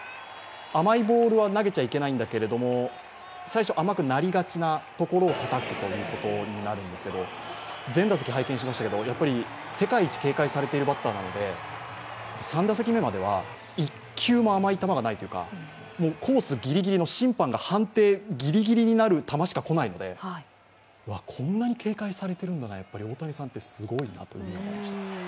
甘いボールは投げちゃいけないんだけれども、最初甘くなりがちなところをたたくというところになるんですけど全打席拝見しましたけど世界一警戒されているバッターなので３打席目までは１球も甘い球がないというか、コースギリギリの審判が判定ぎりぎりになる球しかこないのでこんなに警戒されているんだな、大谷さんってすごいなと思いました。